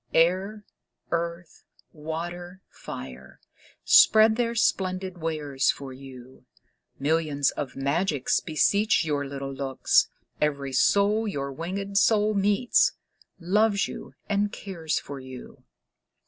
Air, earth, water, fire, spread their splendid wares for you. Millions of magics beseech your little looks; Every soul your winged soul meets, loves you and cares for you.